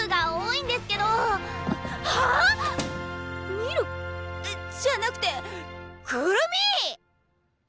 ミルじゃなくてくるみ！